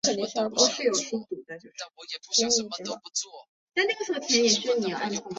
据雷提卡斯进行的。